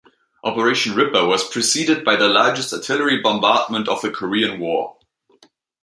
Operation Ripper was preceded by the largest artillery bombardment of the Korean War.